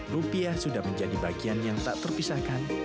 rupiah sudah menjadi bagian yang tak terpisahkan